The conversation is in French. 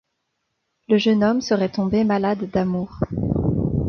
Le jeune homme serait tombé malade d'amour.